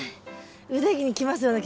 腕にきますよね